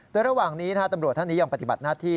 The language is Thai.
โดยระหว่างนี้ตำรวจท่านนี้ยังปฏิบัติหน้าที่